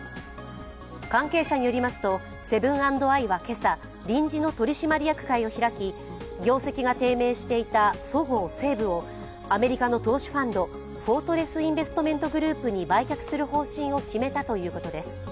関係者によりますと、セブン＆アイは今朝、臨時の取締役会を開き業績が低迷していたそごう・西武をアメリカの投資ファンド、フォートレス・インベストメント・グループに売却する方針を決めたということです。